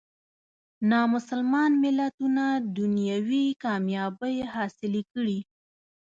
نامسلمان ملتونه دنیوي کامیابۍ حاصلې کړي.